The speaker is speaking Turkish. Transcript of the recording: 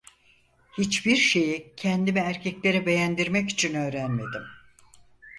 Hiçbir şeyi, kendimi erkeklere beğendirmek için öğrenmedim.